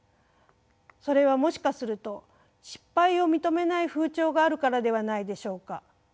それはもしかすると失敗を認めない風潮があるからではないでしょうか？